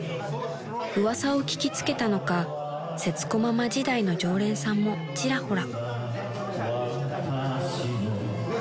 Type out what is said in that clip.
［噂を聞き付けたのかせつこママ時代の常連さんもちらほら］